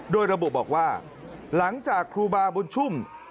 โดยระบุบอกว่าหลังจากครูบาบุญชุ่ม